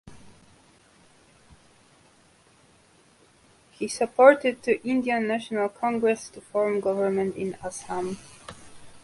He supported to Indian National Congress to form government in Assam.